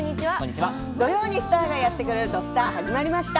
土曜にスターがやってくる「土スタ」始まりました。